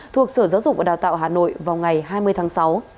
thuộc sở giáo dục và đào tạo hà nội vào ngày hai mươi tháng sáu